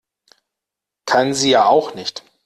Kann sie ja auch nicht.